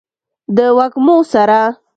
د وږمو سره